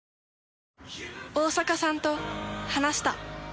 大坂さんと話した。